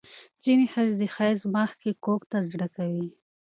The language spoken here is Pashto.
ځینې ښځې د حیض مخکې ککو ته زړه کوي.